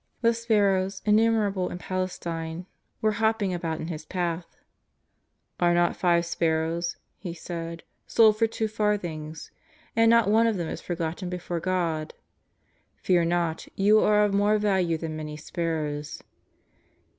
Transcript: The sparrows, innumerable in Palestine, were hop ping about in His path. "Are not five sparrows," He said, " sold for two farthings ? and not one of them is forgotten before God. Fear not, you are of more value than many sparrows."